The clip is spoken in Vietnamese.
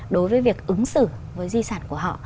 đối với việc ứng xử với di sản của họ